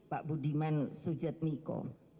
pak budiman sujetmiko